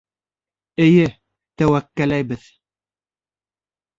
Эйе, тәүәкәлләйбеҙ.